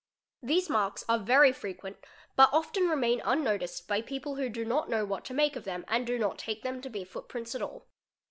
_. These marks are very frequent but often remain unnoticed by people who do not know what to make of them and do not take them to be footprints at all.